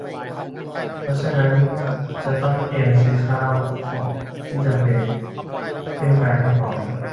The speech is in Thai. เพราะฉะนั้นจะต้องเตรียมซื้อข้าวของที่จำเป็นขึ้นไปให้พร้อม